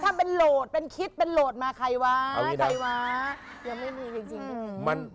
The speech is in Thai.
ถ้าเป็นโหลดเป็นคิดเป็นโหลดมาใครวะใครวะยังไม่มีจริง